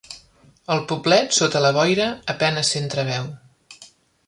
El poblet, sota la boira, a penes s'entreveu.